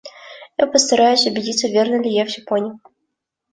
Я постараюсь убедиться, верно ли я все понял.